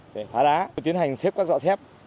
để phá đá tiến hành xếp các dọa thép